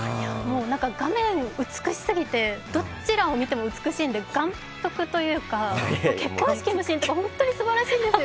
画面、美しすぎて、どちらを見ても美しいので、眼福というか、結婚式のシーン、本当にすばらしいんですよ。